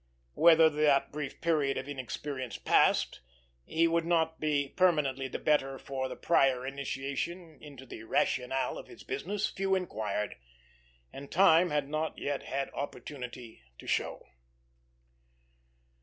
Whether, that brief period of inexperience passed, he would not be permanently the better for the prior initiation into the rationale of his business, few inquired, and time had not yet had opportunity to show.